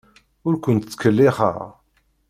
Ur ken-ttkellixeɣ.